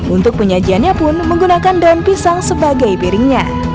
untuk penyajiannya pun menggunakan daun pisang sebagai piringnya